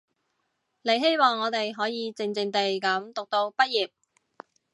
你希望我哋可以靜靜地噉讀到畢業